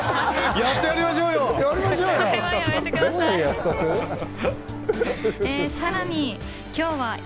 やってやりましょうよ。